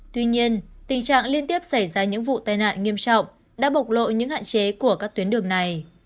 tuy nhiên tình trạng liên tiếp xảy ra những vụ tai nạn nghiêm trọng đã bộc lộ những hạn chế của các tuyến đường này